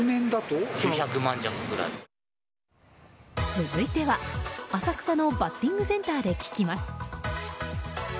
続いては、浅草のバッティングセンターで聞きます。